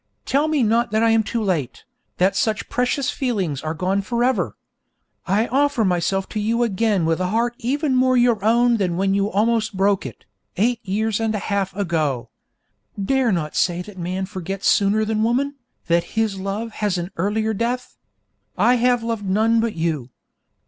Tell me not that I am too late, that such precious feelings are gone for ever. I offer myself to you again with a heart even more your own than when you almost broke it, eight years and a half ago. Dare not say that man forgets sooner than woman, that his love has an earlier death. I have loved none but you.